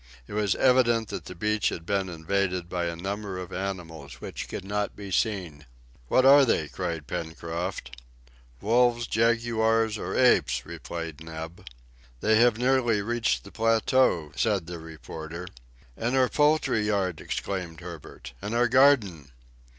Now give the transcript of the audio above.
It was evident that the beach had been invaded by a number of animals which could not be seen. "What are they?" cried Pencroft. "Wolves, jaguars, or apes?" replied Neb. "They have nearly reached the plateau," said the reporter. "And our poultry yard," exclaimed Herbert, "and our garden!"